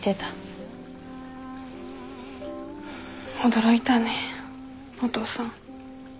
驚いたねお父さん。